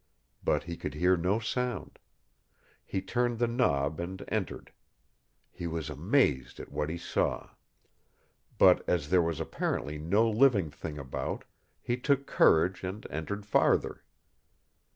But he could hear no sound. He turned the knob and entered. He was amazed at what he saw. But, as there was apparently no living thing about, he took courage and entered farther.